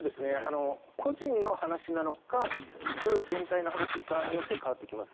個人の話なのか部全体の話かによって変わってきます。